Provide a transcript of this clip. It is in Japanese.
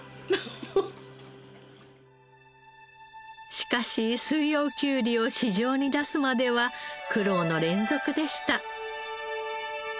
しかし四葉きゅうりを市場に出すまでは苦労の連続でした。